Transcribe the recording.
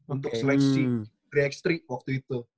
untuk seleksi tiga x tiga waktu itu